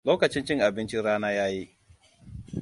Lokacin cin abincin rana ya yi.